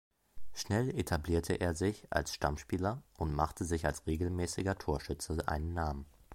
Schnell etablierte er sich als Stammspieler und machte sich als regelmäßiger Torschütze einen Namen.